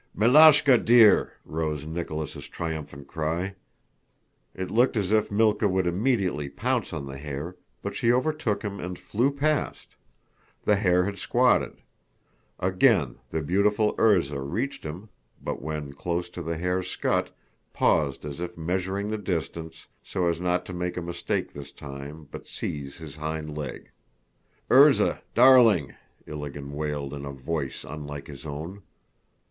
"Miláshka, dear!" rose Nicholas' triumphant cry. It looked as if Mílka would immediately pounce on the hare, but she overtook him and flew past. The hare had squatted. Again the beautiful Erzá reached him, but when close to the hare's scut paused as if measuring the distance, so as not to make a mistake this time but seize his hind leg. "Erzá, darling!" Ilágin wailed in a voice unlike his own.